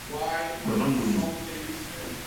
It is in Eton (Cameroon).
G-beu ma ngouni